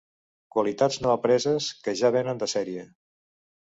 Qualitats no apreses, que ja venen de sèrie.